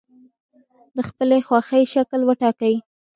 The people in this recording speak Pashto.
د خپلې خوښې شکل وټاکئ.